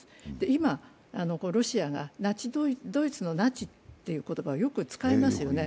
今、ロシアがドイツのナチという言葉をすごく使いますよね。